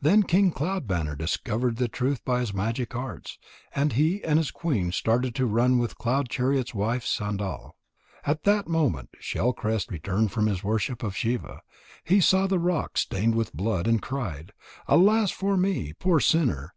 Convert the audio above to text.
Then King Cloud banner discovered the truth by his magic arts, and he and his queen started to run with Cloud chariot's wife Sandal. At that moment Shell crest returned from his worship of Shiva. He saw the rock stained with blood, and cried: "Alas for me, poor sinner!